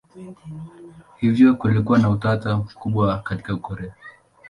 Hivyo kulikuwa na utata mkubwa katika Korea.